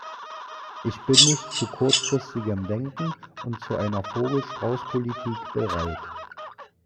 Ich bin nicht zu kurzfristigem Denken und zu einer Vogel-Strauß-Politik bereit.